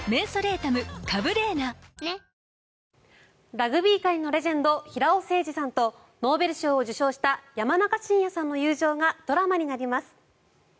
ラグビー界のレジェンド平尾誠二さんとノーベル賞受賞者山中伸弥さんの友情がドラマになります。